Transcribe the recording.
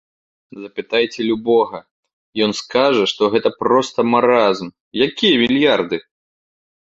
Запытайце любога, ён скажа, што гэта проста маразм, якія мільярды?